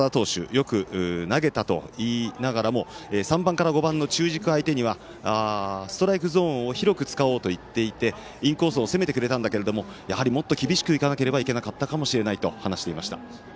よく投げたと言いながらも３番から５番の中軸相手にはストライクゾーンを広く使おうといっていてインコースを攻めてくれたんだけどやはりもっと厳しく行かなければいけなかったと話していました。